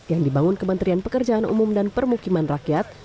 yang dibangun kementerian pekerjaan umum dan permukiman rakyat